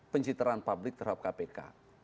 pencitraan publik terhadap kpk